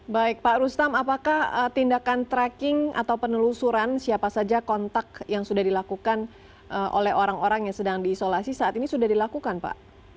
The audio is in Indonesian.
baik pak rustam apakah tindakan tracking atau penelusuran siapa saja kontak yang sudah dilakukan oleh orang orang yang sedang diisolasi saat ini sudah dilakukan pak